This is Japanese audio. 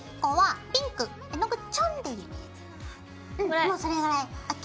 もうそれぐらいＯＫ。